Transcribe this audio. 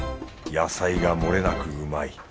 野菜がもれなくうまい